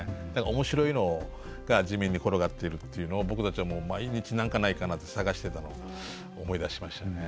面白いのが地味に転がっているというのを僕たちは毎日何かないかなって探してたのを思い出しましたね。